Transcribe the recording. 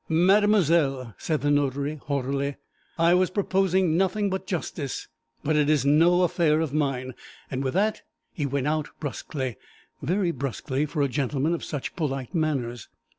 'Mademoiselle,' said the notary haughtily, 'I was proposing nothing but justice; but it is no affair of mine.' And with that he went out brusquely very brusquely for a gentleman of such polite manners.